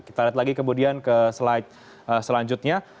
kita lihat lagi kemudian ke slide selanjutnya